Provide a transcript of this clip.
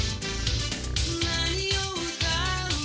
「何を歌う？